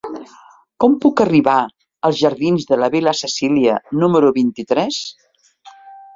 Com puc arribar als jardins de la Vil·la Cecília número vint-i-tres?